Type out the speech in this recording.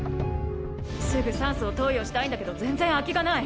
すぐ酸素を投与したいんだけど全然空きがない。